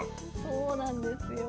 そうなんですよ。